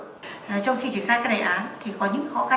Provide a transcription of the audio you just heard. trong khi triển khai đại án